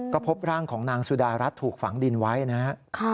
ก็พบร่างของนางสุดารัฐถูกฝังดินไว้นะครับ